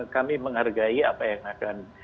kami menghargai apa yang akan